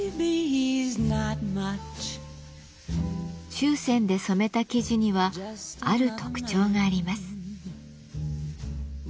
注染で染めた生地にはある特徴があります。